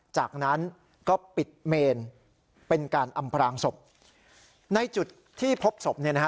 จากนั้นก็ปิดเมนเป็นการอำพรางศพในจุดที่พบศพเนี่ยนะฮะ